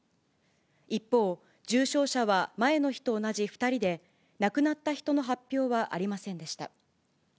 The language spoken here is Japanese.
一方、重症者は前の日と同じ２人で、亡くなった人の発表はありませんでした。